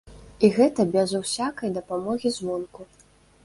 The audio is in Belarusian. І гэта без усякай дапамогі звонку.